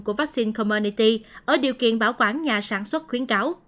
của vaccine commernity ở điều kiện bảo quản nhà sản xuất khuyến cáo